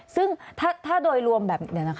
ซึ่งถ้าโดยรวมแบบ